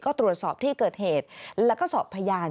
ก็ตรวจสอบที่เกิดเหตุแล้วก็สอบพยาน